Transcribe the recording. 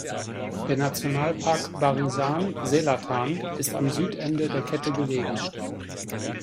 Der Nationalpark Barisan Selatan ist am Südende der Kette gelegen.